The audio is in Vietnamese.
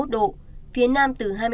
độ phía nam từ hai mươi ba